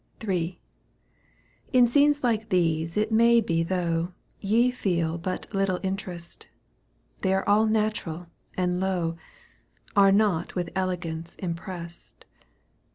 HL In scenes like these it may be though. Ye feel but little interest. They are all natural and low. Are not with elegance impressed.